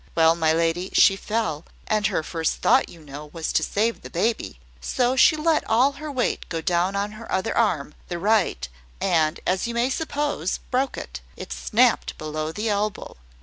Well, my lady, she fell; and her first thought, you know, was to save the baby; so she let all her weight go on the other arm the right and, as you may suppose, broke it. It snapped below the elbow.